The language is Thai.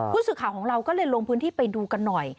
ผู้สื่อข่าวของเราก็เลยลงพื้นที่ไปดูกันหน่อย